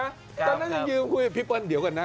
ตอนนั้นยืมพี่บริเทศเดี๋ยวก่อนนะ